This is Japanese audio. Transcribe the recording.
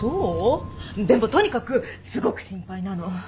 でもとにかくすごく心配なの。